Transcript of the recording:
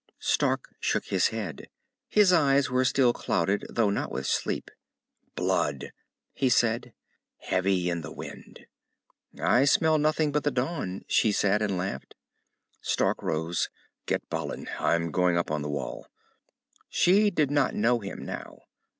Stark shook his head. His eyes were still clouded, though not with sleep. "Blood," he said, "heavy in the wind." "I smell nothing but the dawn," she said, and laughed. Stark rose. "Get Balin. I'm going up on the Wall." She did not know him now.